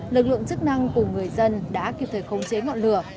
lực lượng chức năng cùng người dân đã kịp thời khống chế ngọn lửa